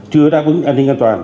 chưa đáp ứng an ninh an toàn